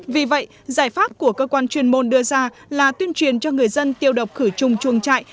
vì vậy giải pháp của cơ quan chuyên môn đưa ra là tuyên truyền cho người dân tiêu độc khử trùng chuồng trại